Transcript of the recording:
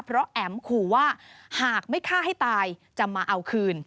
เพราะแอ๋มขู่ว่าหากไม่ฆ่าให้ตายจะมาเอาคืน